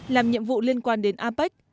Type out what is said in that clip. làm nhiệm vụ liên quan đến apec